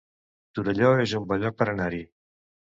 Torelló es un bon lloc per anar-hi